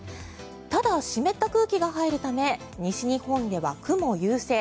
ただ、湿った空気が入るため西日本では雲優勢。